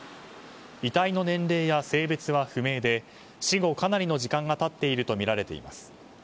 遺体の年齢や性別は不明で死後、かなりの時間が経っているとみられています。